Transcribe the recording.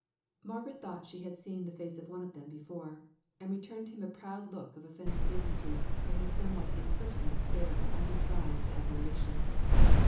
Margaret thought she had seen the face of one of them before, and returned him a proud look of offended dignity for his somewhat impertinent stare of undisguised admiration.